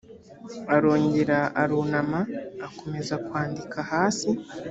arongera arunama akomeza kwandika hasi